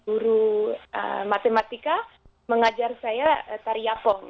guru matematika mengajar saya tari yapong